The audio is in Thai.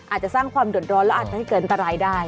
อาจจะสร้างความด่วนร้อนและอาจจะเกินตลายได้